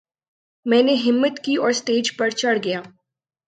میں نے ہمت کی اور سٹیج پر چڑھ گیا